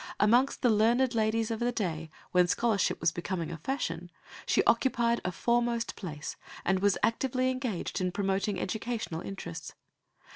Amongst the learned ladies of a day when scholarship was becoming a fashion she occupied a foremost place, and was actively engaged in promoting educational interests.